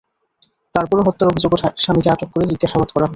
তার পরও হত্যার অভিযোগ ওঠায় স্বামীকে আটক করে জিজ্ঞাসাবাদ করা হচ্ছে।